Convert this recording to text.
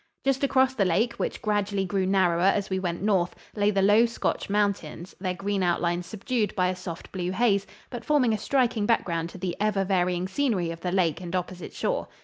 Just across the lake, which gradually grew narrower as we went north, lay the low Scotch mountains, their green outlines subdued by a soft blue haze, but forming a striking background to the ever varying scenery of the lake and opposite shore.